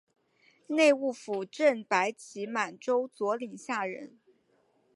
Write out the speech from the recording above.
内务府正白旗满洲佐领下人。